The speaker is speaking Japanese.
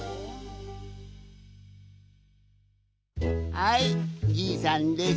はいじいさんです。